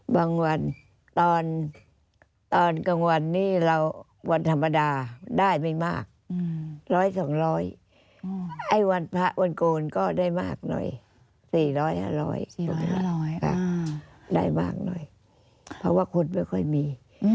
บางวันตอนกลางวันนี้เราวันธรรมดาได้ไม่มากร้อยสองร้อยไอวันพระวรโกลก็ได้มากหน่อยสี่ร้อยห้าร้อยได้มากหน่อยเพราะว่าคนไม่ค่อยมี